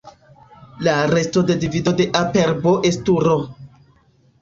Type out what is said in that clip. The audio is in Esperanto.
La resto de divido de "a" per "b" estu "r".